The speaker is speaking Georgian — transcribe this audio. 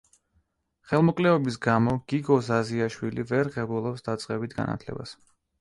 ხელმოკლეობის გამო გიგო ზაზიაშვილი ვერ ღებულობს დაწყებით განათლებას.